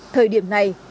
thời điểm này